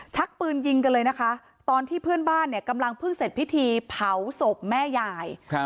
ชักปืนยิงกันเลยนะคะตอนที่เพื่อนบ้านเนี่ยกำลังเพิ่งเสร็จพิธีเผาศพแม่ยาย